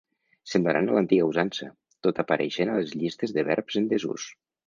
Semblaran a l'antiga usança, tot apareixent a les llistes de verbs en desús.